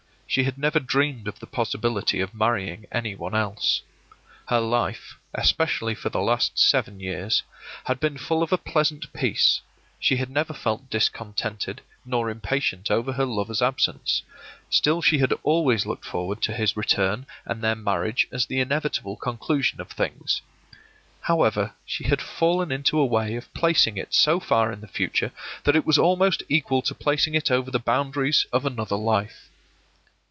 She had never dreamed of the possibility of marrying any one else. Her life, especially for the last seven years, had been full of a pleasant peace, she had never felt discontented nor impatient over her lover's absence; still she had always looked forward to his return and their marriage as the inevitable conclusion of things. However, she had fallen into a way of placing it so far in the future that it was almost equal to placing it over the boundaries of another life.